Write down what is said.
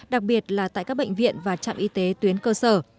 đặc biệt là tại các bệnh viện và trạm y tế tuyến cơ sở